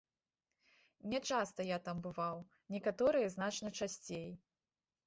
Не часта я там бываў, некаторыя значна часцей.